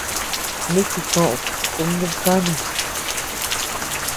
Nichi koʼöd tum nub kanid.